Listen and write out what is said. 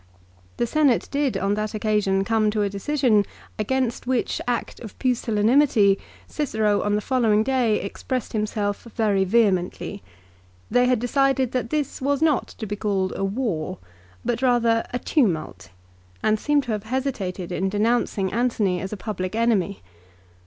The Senate did on that occasion come to a decision, against which act of pusillanimity Cicero on the following day expressed himself very vehemently. They had decided that this was not to be called a war, but THE PHILIPPICS. 257 rather a tumult, and seem to have hesitated in denouncing Antony as a public enemy.